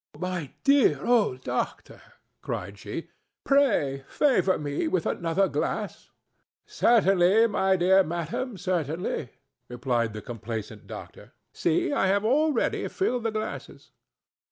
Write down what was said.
"My dear old doctor," cried she, "pray favor me with another glass." "Certainly, my dear madam—certainly," replied the complaisant doctor. "See! I have already filled the glasses."